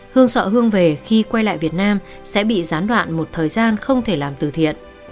hương sọ hương về khi quay lại việt nam sẽ bị gián đoạn một thời gian không thể làm từ thiện